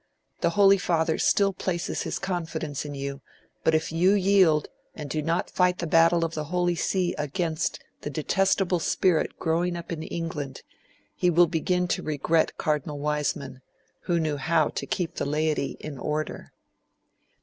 The Holy Father still places his confidence in you; but if you yield and do not fight the battle of the Holy See against the detestable spirit growing up in England, he will begin to regret Cardinal Wiseman, who knew how to keep the laity in order.'